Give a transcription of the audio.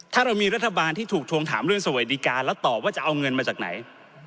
ถ้าเรามีรัฐบาลที่ถูกทวงถามเรื่องสวัสดิการแล้วตอบว่าจะเอาเงินมาจากไหน